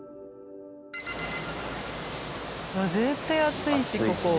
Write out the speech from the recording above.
絶対暑いしここ。